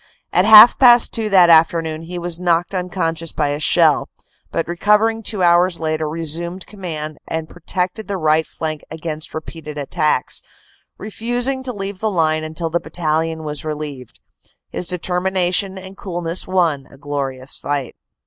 At half past two that afternoon he was knocked unconscious by a shell, but recovering two hours later resumed command and protected the right flank against re peated attacks, refusing to leave the line until the battalion was relieved. His determination and coolness won a glorious fight.